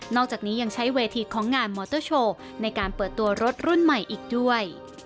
อกจากนี้ยังใช้เวทีของงานมอเตอร์โชว์ในการเปิดตัวรถรุ่นใหม่อีกด้วย